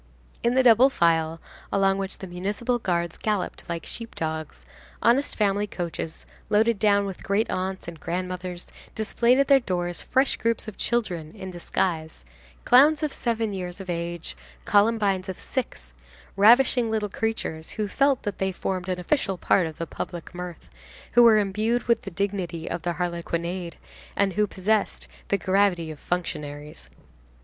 In the double file, along which the municipal guards galloped like sheep dogs, honest family coaches, loaded down with great aunts and grandmothers, displayed at their doors fresh groups of children in disguise, Clowns of seven years of age, Columbines of six, ravishing little creatures, who felt that they formed an official part of the public mirth, who were imbued with the dignity of their harlequinade, and who possessed the gravity of functionaries.